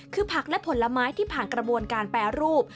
คือผักและผลไม้ที่ผ่านกระบวนการแปรรูป